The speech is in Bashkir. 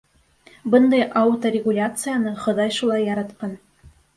Бындай ауторегуляцияны Хоҙай шулай яратҡан.